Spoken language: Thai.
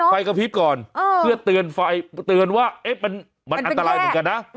ไฟกระพริบก่อนเพื่อเตือนไฟเตือนว่ามันอันตรายเหมือนกันนะ